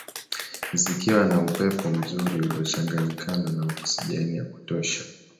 Zikiwa na upepo mzuri uliochanganyikana na okisijeni ya kutosha